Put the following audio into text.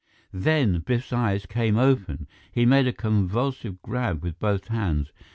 Then Biff's eyes came open. He made a convulsive grab with both hands.